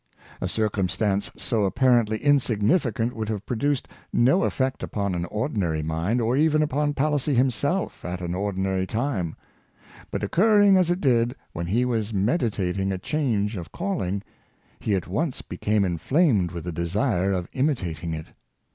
A circumstance so apparently insignificant would ave produced no effect upon an ordinary mind, or even upon Palissy himself at an ordinary time; but, occur ring, as it did, when he was meditating a change of :alling, he at once became inflamed with the desire of mitating it.